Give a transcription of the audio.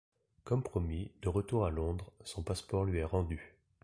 Comme promis, de retour à Londres, son passeport lui est rendu.